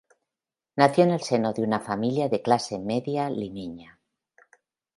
Nació en el seno de una familia de clase media limeña.